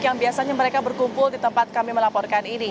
yang biasanya mereka berkumpul di tempat kami melaporkan ini